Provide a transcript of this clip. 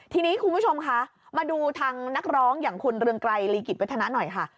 ทีนี้คุณผู้ชมคะมาดูทางนักร้องอย่างคุณเรืองไกรลีกิจวัฒนาหน่อยค่ะ